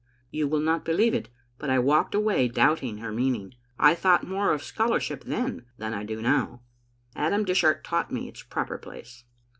' You will not believe it, but I walked away doubting her meaning. I thought more of scholarship then than I do now. Adam Dish art taught me its proper place.